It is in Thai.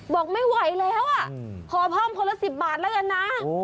บอกไม่ไหวแล้วอ่ะพอพร่อมคนละสิบบาทแล้วกันนะ